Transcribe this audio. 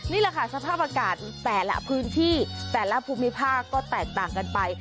นี่แหละค่ะสภาพอากาศแต่ละพื้นที่แต่ละภูมิภาคก็แตกต่างกันไป